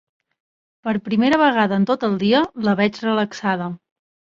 Per primera vegada en tot el dia la veig relaxada.